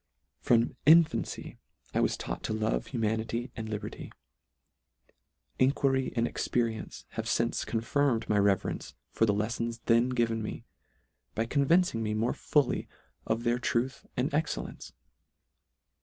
From infancy I was taught to love huma nity and liberty. Inquiry and experience have iince confirmed my reverence for the leifons then given me, by convincing me more fully of their truth and excellence.